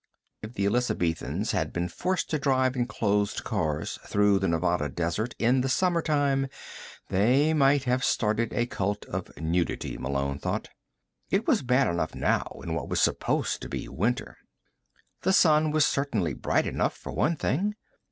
If the Elizabethans had been forced to drive in closed cars through the Nevada desert in the summertime, they might have started a cult of nudity, Malone felt. It was bad enough now, in what was supposed to be winter. The sun was certainly bright enough, for one thing.